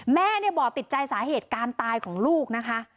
แม่บอกติดใจสาเหตุการตายของลูกนะคะ